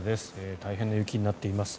大変な雪になっています。